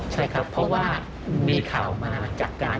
ใช่ครับเพราะว่ามีข่าวมาจากการ